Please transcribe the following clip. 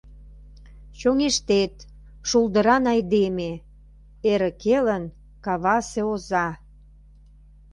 Чоҥештет, шулдыран айдеме, — Эрык элын кавасе оза.